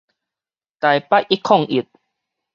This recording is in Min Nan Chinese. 台北一空一